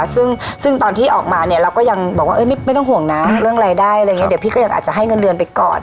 ซึ่งตอนที่ออกมาเนี่ยเราก็ยังบอกว่าไม่ต้องห่วงนะเรื่องรายได้อะไรอย่างนี้เดี๋ยวพี่ก็ยังอาจจะให้เงินเดือนไปก่อน